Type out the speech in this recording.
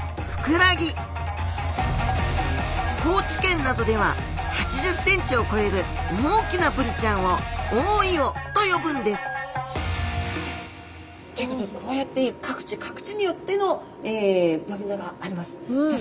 高知県などでは８０センチを超える大きなブリちゃんをおおいおと呼ぶんですということでこうやって各地各地によっての呼び名があります。